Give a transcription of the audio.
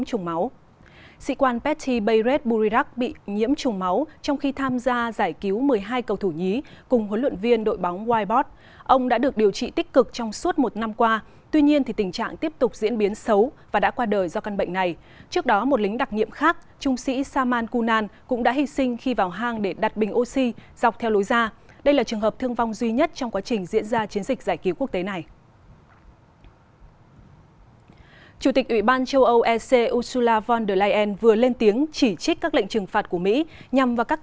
chủ tịch ủy ban châu âu ec ursula von der leyen vừa lên tiếng chỉ trích các lệnh trừng phạt của mỹ nhằm vào các công ty tham gia dự án dòng chảy phương bắc hai